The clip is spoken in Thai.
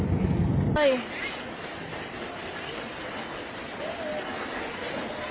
น้ำไหลแรงมากค่ะ